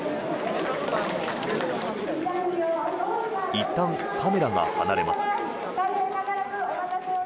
いったんカメラが離れます。